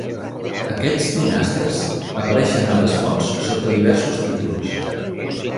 Aquests dinastes apareixen a les fonts sota diversos títols.